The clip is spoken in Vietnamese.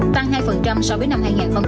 tăng hai so với năm hai nghìn hai mươi